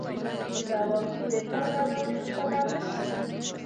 د ځوابي دفاع لاره خپله نه شي.